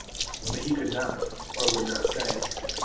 But he could not or would not say.